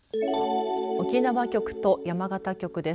沖縄局と山形局です。